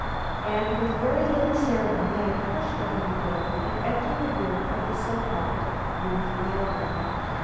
And with very little ceremony I pushed open the door and entered the room of the so called Ruth Oliver.